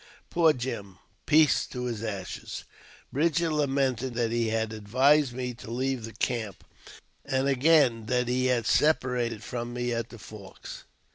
Poor Jim I peace to his ashes !" Bridger lamented that he had advised me to leave the camp, and again that he had separated from me at the Forks.